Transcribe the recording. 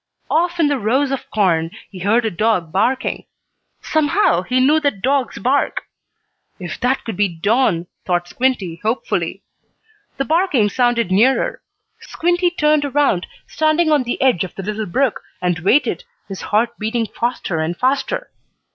Off in the rows of corn he heard a dog barking. Somehow he knew that dog's bark. "If that could be Don!" thought Squinty, hopefully. The barking sounded nearer. Squinty turned around, standing on the edge of the little brook, and waited, his heart beating faster and faster.